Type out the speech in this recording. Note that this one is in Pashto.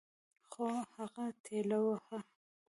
خو هغه ټېلوهه.